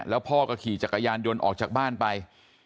แล้วพ่อก็ขี่จักรยานยนต์ออกจากบ้านไป